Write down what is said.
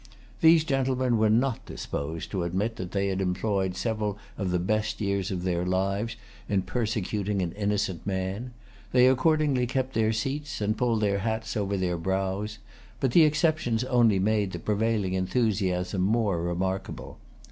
These gentlemen were not disposed to admit that they had employed several of the best years of their lives in persecuting an innocent man. They accordingly kept their seats, and pulled their hats over their brows; but the exceptions only made the prevailing enthusiasm more remarkable.